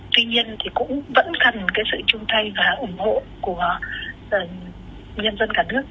tuy nhiên cũng vẫn thân sự chung thay và ủng hộ của nhân dân cả nước